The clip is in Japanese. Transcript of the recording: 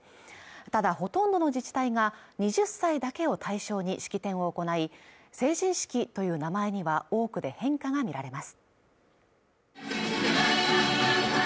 ただほとんどの自治体が２０歳だけを対象に式典を行い成人式という名前には多くで変化が見られます